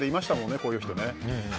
こういう人。